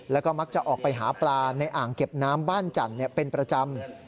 แล้วก็มักจะออกไปหาปลาในอ่างเก็บน้ำบ้านจันทร์เป็นประจำ